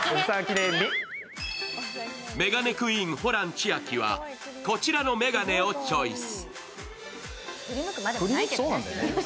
眼鏡クイーン・ホラン千秋はこちらの眼鏡をチョイス。